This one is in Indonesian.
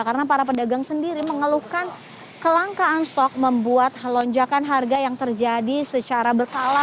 karena para pedagang sendiri mengeluhkan kelangkaan stok membuat lonjakan harga yang terjadi secara berkala